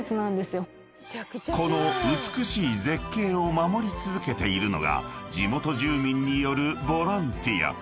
［この美しい絶景を守り続けているのが地元住民によるボランティア］